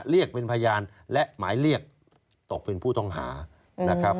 เรียกเป็นพยานและหมายเรียกตกเป็นผู้ต้องหานะครับ